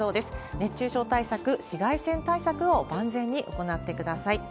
熱中症対策、紫外線対策を万全に行ってください。